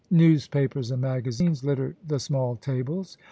Newspapers and magazines littered the small tables.